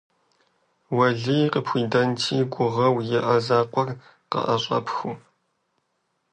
Уэлий къыпхуидэнти гугъэу иӀэ закъуэр къыӀэщӀэпхыу!